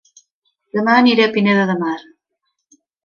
Dema aniré a Pineda de Mar